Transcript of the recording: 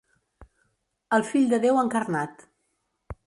El Fill de Déu encarnat.